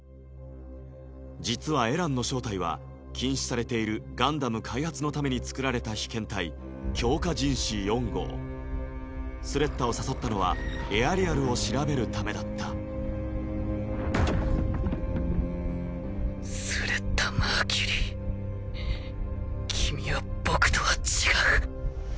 実はエランの正体は禁止されているガンダム開発のためにつくられた被検体強化人士４号スレッタを誘ったのはエアリアルを調べるためだったスレッタ・マーキュリー君は僕とは違う。